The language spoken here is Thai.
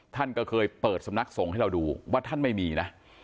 ท่านก็เคยเปิดสำนักส่งให้เราดูว่าท่านไม่มีนะ